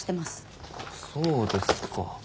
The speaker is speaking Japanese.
そうですか。